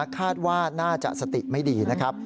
คาดว่าน่าจะสติไม่ดีนะครับ